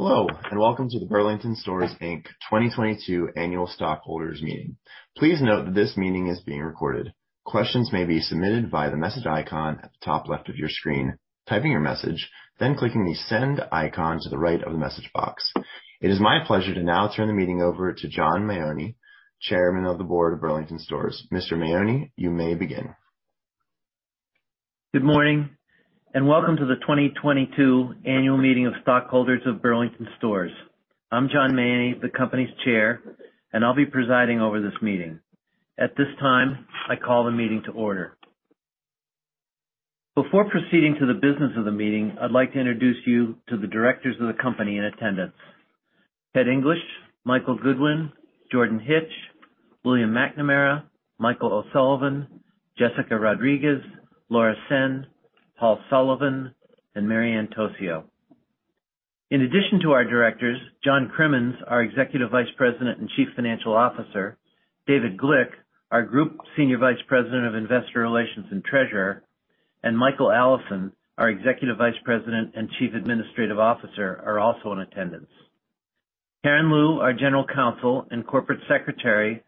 Hello, and welcome to the Burlington Stores, Inc. 2022 Annual Stockholders' Meeting. Please note that this meeting is being recorded. Questions may be submitted via the message icon at the top left of your screen, typing your message, then clicking the send icon to the right of the message box. It is my pleasure to now turn the meeting over to John Mahoney, Chairman of the Board of Burlington Stores, Inc. Mr. Mahoney, you may begin. Good morning, and welcome to the 2022 Annual Meeting of Stockholders of Burlington Stores. I'm John J. Mahoney, the company's chair, and I'll be presiding over this meeting. At this time, I call the meeting to order. Before proceeding to the business of the meeting, I'd like to introduce you to the directors of the company in attendance: Ted English, Michael Goodwin, Jordan Hitch, William McNamara, Michael O'Sullivan, Jessica Rodriguez, Laura Sen, Paul Sullivan, and Mary Ann Tocio. In addition to our directors, John Crimmins, our Executive Vice President and Chief Financial Officer; David Glick, our Group Senior Vice President of Investor Relations and Treasurer; and Michael Allison, our Executive Vice President and Chief Administrative Officer, are also in attendance. Karen Leu, our General Counsel and Corporate Secretary,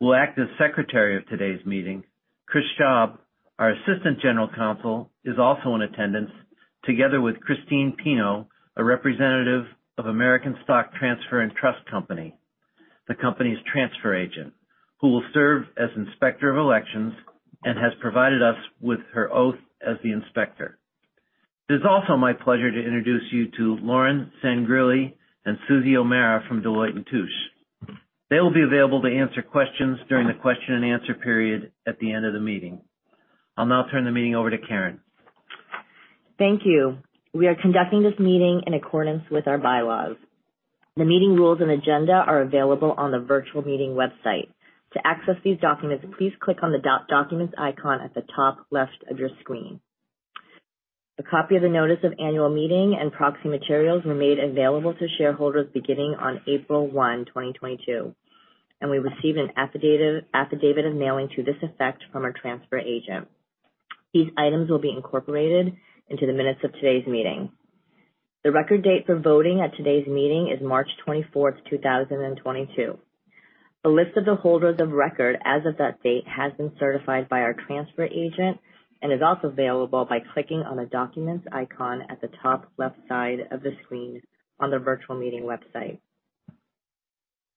will act as Secretary of today's meeting. Chris Schaub, our Assistant General Counsel, is also in attendance, together with Christine Pino, a representative of American Stock Transfer and Trust Company, the company's transfer agent, who will serve as Inspector of Elections and has provided us with her oath as the inspector. It is also my pleasure to introduce you to Lauren Sangrillo and Susan O'Mara from Deloitte & Touche. They will be available to answer questions during the question-and-answer period at the end of the meeting. I'll now turn the meeting over to Karen. Thank you. We are conducting this meeting in accordance with our bylaws. The meeting rules and agenda are available on the virtual meeting website. To access these documents, please click on the documents icon at the top left of your screen. A copy of the Notice of Annual Meeting and proxy materials were made available to shareholders beginning on April 1, 2022, and we received an affidavit of mailing to this effect from our transfer agent. These items will be incorporated into the minutes of today's meeting. The record date for voting at today's meeting is March 24, 2022. The list of the holders of record as of that date has been certified by our transfer agent and is also available by clicking on the documents icon at the top left side of the screen on the virtual meeting website.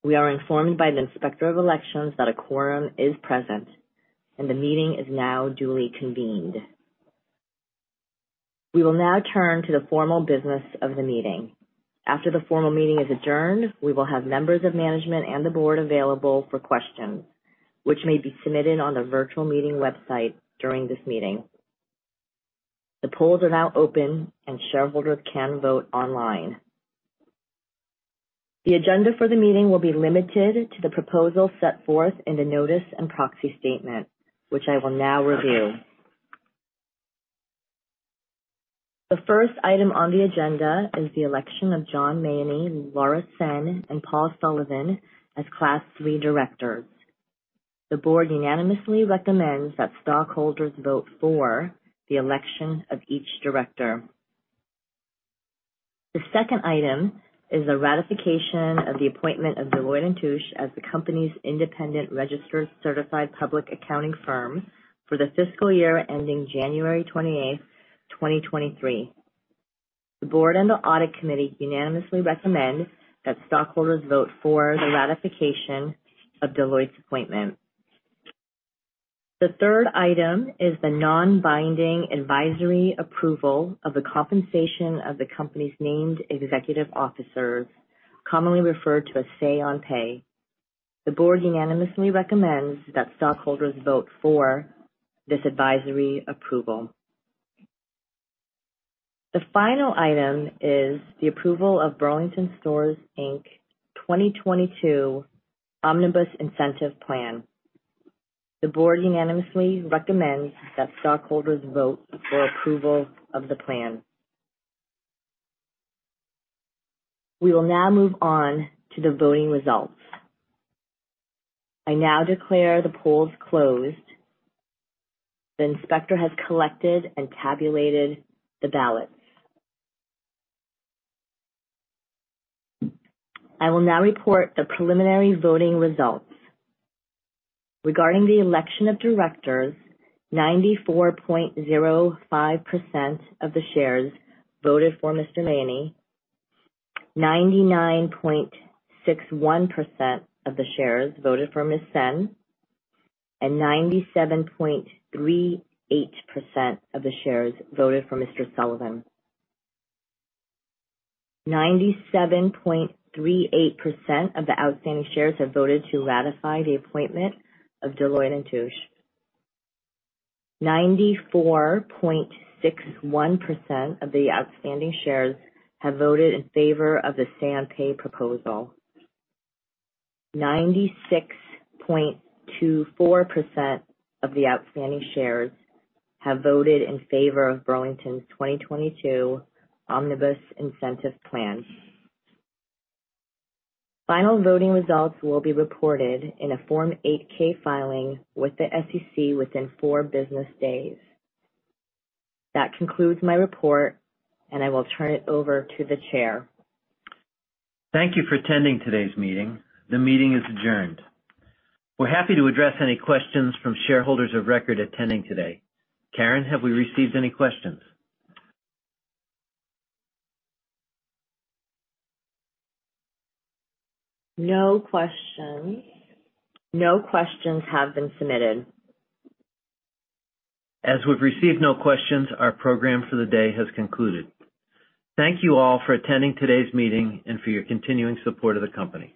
We are informed by the Inspector of Elections that a quorum is present, and the meeting is now duly convened. We will now turn to the formal business of the meeting. After the formal meeting is adjourned, we will have members of management and the board available for questions, which may be submitted on the virtual meeting website during this meeting. The polls are now open, and shareholders can vote online. The agenda for the meeting will be limited to the proposal set forth in the notice and proxy statement, which I will now review. The first item on the agenda is the election of John Mahoney, Laura Sen, and Paul Sullivan as Class III directors. The board unanimously recommends that stockholders vote for the election of each director. The second item is the ratification of the appointment of Deloitte & Touche as the company's independent registered public accounting firm for the fiscal year ending January 28, 2023. The Board and the Audit Committee unanimously recommend that stockholders vote for the ratification of Deloitte's appointment. The third item is the non-binding advisory approval of the compensation of the company's named executive officers, commonly referred to as say-on-pay. The Board unanimously recommends that stockholders vote for this advisory approval. The final item is the approval of Burlington Stores, Inc. 2022 Omnibus Incentive Plan. The Board unanimously recommends that stockholders vote for approval of the plan. We will now move on to the voting results. I now declare the polls closed. The inspector has collected and tabulated the ballots. I will now report the preliminary voting results. Regarding the election of directors, 94.05% of the shares voted for Mr. Mahoney, 99.61% of the shares voted for Ms. Sen, and 97.38% of the shares voted for Mr. Sullivan. 97.38% of the outstanding shares have voted to ratify the appointment of Deloitte & Touche. 94.61% of the outstanding shares have voted in favor of the say-on-pay proposal. 96.24% of the outstanding shares have voted in favor of Burlington's 2022 Omnibus Incentive Plan. Final voting results will be reported in a Form 8-K filing with the SEC within four business days. That concludes my report, and I will turn it over to the chair. Thank you for attending today's meeting. The meeting is adjourned. We're happy to address any questions from shareholders of record attending today. Karen, have we received any questions? No questions. No questions have been submitted. As we've received no questions, our program for the day has concluded. Thank you all for attending today's meeting and for your continuing support of the company.